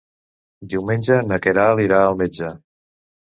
Diumenge na Queralt irà al metge.